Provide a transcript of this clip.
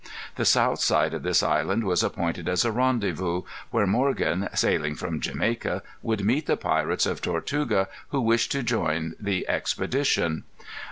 The south side of this island was appointed as a rendezvous, where Morgan, sailing from Jamaica, would meet the pirates of Tortuga who wished to join the expedition.